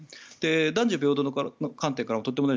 男女平等の観点からとても大事。